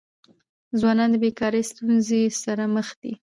ځوانان د بيکاری ستونزې سره مخ دي.